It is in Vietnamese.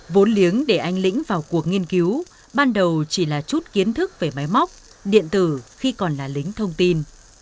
vốn liếng để anh lĩnh vào cuộc nghiên cứu ban đầu chỉ là chút kiến thức về máy móc điện tử khi còn là lính thông tin